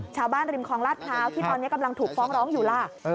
ชาวบ้านริมคลองลาดพร้าวที่ตอนนี้กำลังถูกฟ้องร้องอยู่ล่ะ